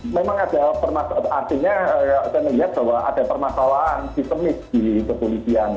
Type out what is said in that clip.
memang ada permasalahan artinya saya melihat bahwa ada permasalahan sistemis di kepolisian